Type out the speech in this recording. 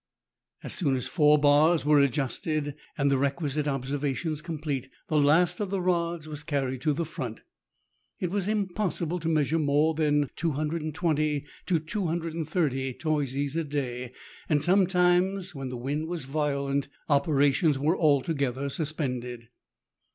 As soon as four bars were adjusted, and the requisite observations complete, the last of the rods was carried to the front. It was impossible to measure more than 220 to 230 toises a day, and sometimes, when the wind was violent, operations were altogether suspended.